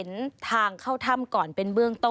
สวัสดีค่ะสวัสดีค่ะ